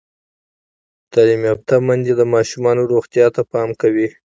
تعلیم یافته میندې د ماشوم روغتیا ته پام کوي۔